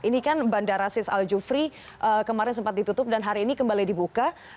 ini kan bandara sis al jufri kemarin sempat ditutup dan hari ini kembali dibuka